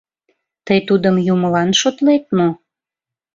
Тый Тудым юмылан шотлет мо?